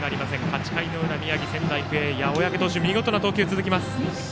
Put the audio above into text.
８回の裏、宮城・仙台育英小宅投手、見事な投球が続きます。